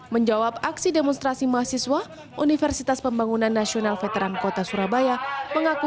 menjawab aksi demonstrasi mahasiswa universitas pembangunan nasional veteran kota surabaya mengaku